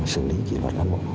xử lý kỳ luật cán bộ